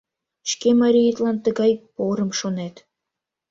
— Шке мариетлан тыгай «порым» шонет.